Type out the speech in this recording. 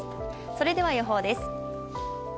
それでは予報です。